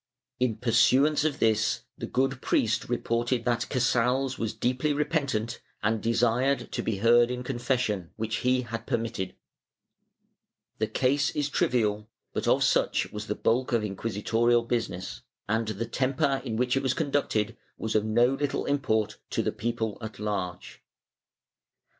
I] POLITICAL FUNCTIONS 393 In pursuance of this the good priest reported that Casals was deeply repentant and desired to be heard in confession, which he had permitted/ The case is trivial, but of such was the bulk of inquisitorial business, and the temper in which it was conducted was of no little import to the people at large.